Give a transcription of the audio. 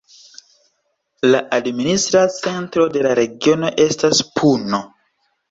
La administra centro de la regiono estas Puno.